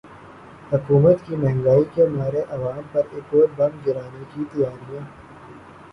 حکومت کی مہنگائی کے مارے عوام پر ایک اور بم گرانے کی تیاریاں